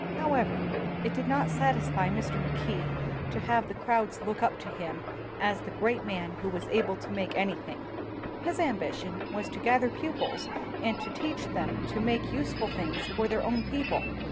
However, it did not satisfy Mr. Mackay 95 WHITE MAN OF WORK to have the crowds look up to him as the great man who was able to make anything. His ambition was to gather pupils and to teach them to make useful things for their own people.